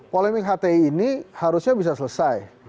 polemik hti ini harusnya bisa selesai